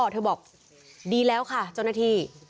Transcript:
เธอบอกดีแล้วค่ะเจ้าหน้าที่